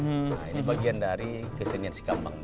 nah ini bagian dari kesenian si kambang